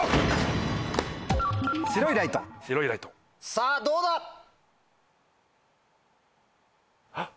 さぁどうだ⁉はっ！